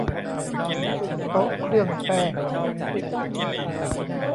โต๊ะเครื่องแป้ง